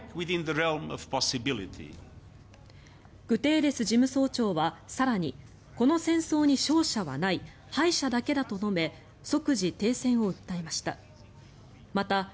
グテーレス事務総長は更にこの戦争に勝者はない敗者だけだと述べ即時停戦を訴えました。